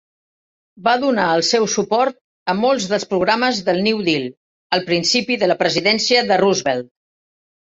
Va donar el seu suport a molts dels programes del New Deal, al principi de la presidència de Roosevelt.